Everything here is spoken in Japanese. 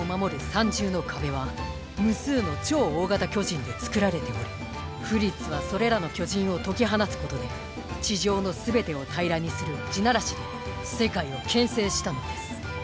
３重の壁は無数の超大型巨人で作られておりフリッツはそれらの巨人を解き放つことで地上のすべてを平らにする「地鳴らし」で世界を牽制したのです。